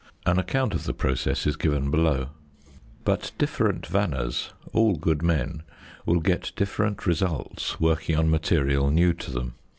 An account of the process is given below. But different vanners, all good men, will get different results working on material new to them.